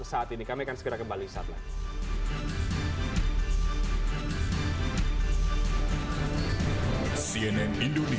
saat ini kami akan segera kembali saat lain